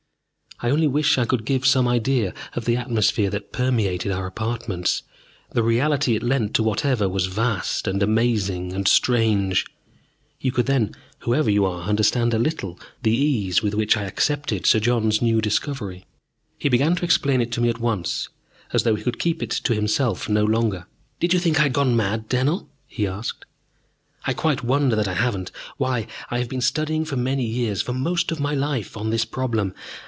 I only wish I could give some idea of the atmosphere that permeated our apartments, the reality it lent to whatever was vast and amazing and strange. You could then, whoever you are, understand a little the ease with which I accepted Sir John's new discovery. He began to explain it to me at once, as though he could keep it to himself no longer. "Did you think I had gone mad, Dennell?" he asked. "I quite wonder that I haven't. Why, I have been studying for many years for most of my life on this problem.